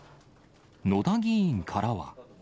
野田議員からは。